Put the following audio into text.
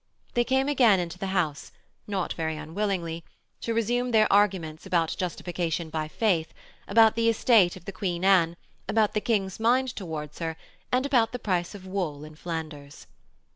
They came again into the house, not very unwillingly, to resume their arguments about Justification by Faith, about the estate of the Queen Anne, about the King's mind towards her, and about the price of wool in Flanders.